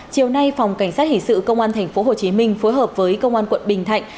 chiều nay phòng cảnh sát hình sự công an tp hcm phối hợp với công an quận bình thạnh